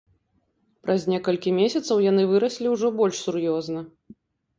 Праз некалькі месяцаў яны выраслі ўжо больш сур'ёзна.